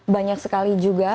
banyak sekali juga